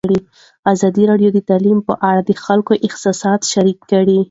ازادي راډیو د تعلیم په اړه د خلکو احساسات شریک کړي.